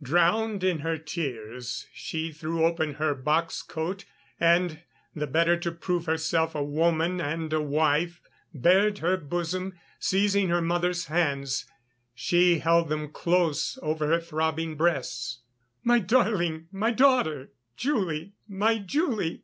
Drowned in her tears, she threw open her box coat and, the better to prove herself a woman and a wife, bared her bosom; seizing her mother's hands, she held them close over her throbbing breasts. "My darling, my daughter, Julie, my Julie!"